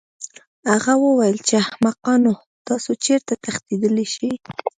هغه وویل چې احمقانو تاسو چېرته تښتېدلی شئ